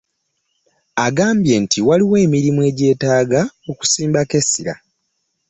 Agambye nti waliwo emirimu egyetaaga okusimbako essira